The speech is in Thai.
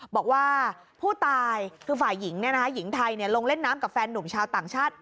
บอกว่าผู้ตายคือฝ่ายหญิงหญิงไทยลงเล่นน้ำกับแฟนหนุ่มชาวต่างชาติ